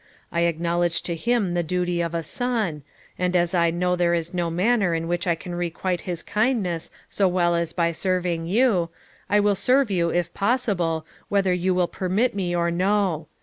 I acknowledge to him the duty of a son; and as I know there is no manner in which I can requite his kindness so well as by serving you, I will serve you, if possible, whether you will permit me or no.